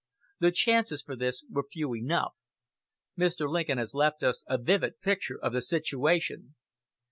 The chances for this were few enough. Mr. Lincoln has left us a vivid picture of the situation.